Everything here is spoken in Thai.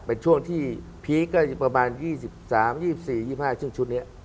เป็นช่วงที่พีคก็ประมาณยี่สิบสามยี่สิบสี่ยี่สิบห้าซึ่งชุดเนี้ย